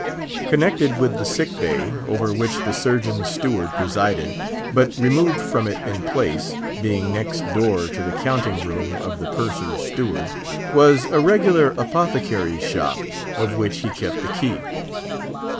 Connected with the sick bay, over which the surgeon's steward presided—but removed from it in place, being next door to the counting room of the purser's steward—was a regular apothecary's shop, of which he kept the key.